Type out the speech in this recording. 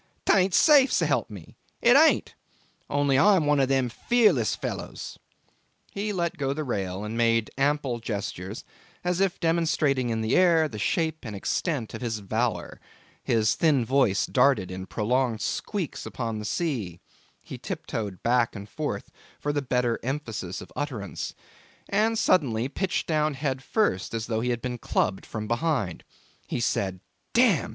'Tain't safe, s'elp me, it ain't! Only I am one of them fearless fellows ...' He let go the rail and made ample gestures as if demonstrating in the air the shape and extent of his valour; his thin voice darted in prolonged squeaks upon the sea, he tiptoed back and forth for the better emphasis of utterance, and suddenly pitched down head first as though he had been clubbed from behind. He said 'Damn!